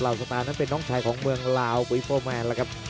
ลาวสตาร์ตนั้นเป็นน้องชายของเมืองลาวกับอิฟโอแมนล่ะครับ